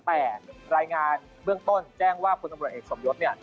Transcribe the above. แต่รายงานเบื้องต้นแจ้งว่าพลตำรวจเอกสมยศเนี่ย